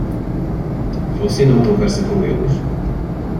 Você não conversa com eles?